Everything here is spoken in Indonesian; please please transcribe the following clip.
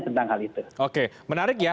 tentang hal itu oke menarik ya